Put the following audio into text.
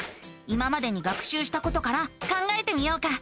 今までに学しゅうしたことから考えてみようか。